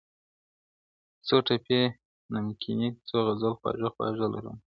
څوټپې نمکیني څو غزل خواږه خواږه لرم,